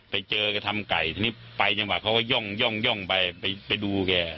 ไปเจอก็ทำไก่ทีนี้ไปจังหวะเขาก็ย่องไปไปดูแก